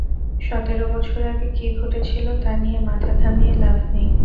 সতের বছর আগে কী ঘটেছিল তা নিয়ে মাথা ঘামিয়ে লাভ নেই।